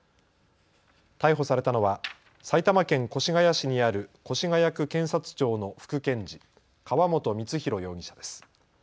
逮捕されたのは埼玉県越谷市にある越谷区検察庁の副検事、川本満博容疑者です。